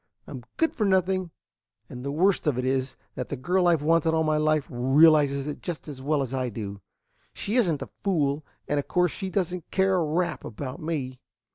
I'm good for nothing; and the worst of it is that the girl I've wanted all my life realizes it just as well as I do. She is n't a fool; and of course she does n't care a rap about me."